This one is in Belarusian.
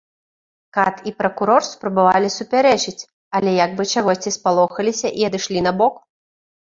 Кат і пракурор спрабавалі супярэчыць, але як бы чагосьці спалохаліся і адышлі набок.